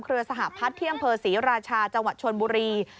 เครือสหพพัฒน์เที่ยงเผอร์ศรีราชาจังหวัดชนบุรี